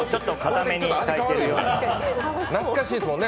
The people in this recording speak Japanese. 懐かしいですもんね。